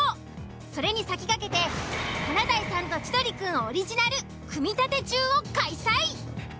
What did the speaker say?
それに先駆けて「華大さんと千鳥くん」オリジナル組立中を開催。